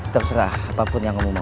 terserah apapun yang kamu mau